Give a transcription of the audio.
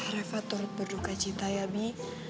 reva turut berduka cinta ya bi